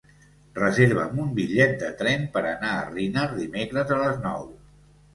Reserva'm un bitllet de tren per anar a Riner dimecres a les nou.